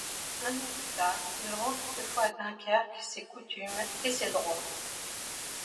Un an plus tard, il rend toutefois à Dunkerque ses coutumes et ses droits.